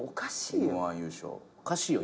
おかしいよ。